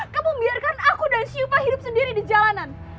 kamu biarkan aku dan siva hidup sendiri di jalanan